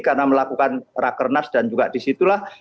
karena melakukan rakernas dan juga disitulah